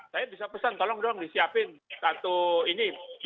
saya bisa pesan tolong dong disiapkan satu bis